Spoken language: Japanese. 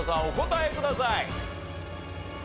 お答えください。